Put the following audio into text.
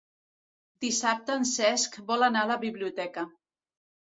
Dissabte en Cesc vol anar a la biblioteca.